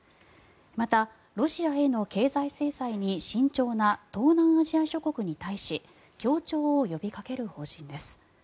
また、ロシアへの経済制裁に慎重な東南アジア諸国に対し協調を呼びかける方針です。